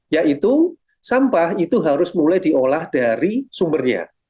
yaitu sampah itu harus mulai diolah dari sumbernya